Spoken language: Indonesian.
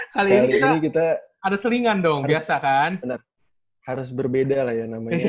kali ini kita harus berbeda lah ya